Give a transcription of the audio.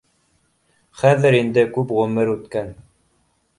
Хәҙер инде күп ғүмер үткән